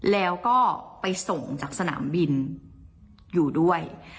แล้วก็ไปส่งจากสนามบินอยู่ด้วย